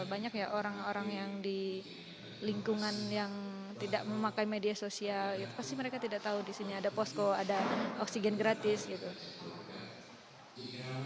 banyak ya orang orang yang di lingkungan yang tidak memakai media sosial pasti mereka tidak tahu di sini ada posko ada oksigen gratis gitu